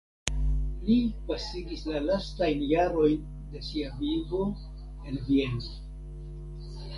Li pasigis la lastajn jarojn de sia vivo en Vieno.